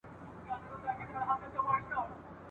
د ښځي د ښكلا له ښايست څخه سر چينه اخلي